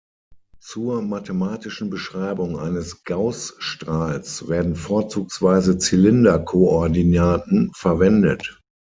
Zur mathematischen Beschreibung eines Gauß-Strahls werden vorzugsweise Zylinderkoordinaten verwendet.